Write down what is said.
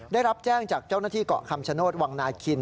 ได้รับแจ้งจากเจ้าหน้าที่เกาะคำชโนธวังนาคิน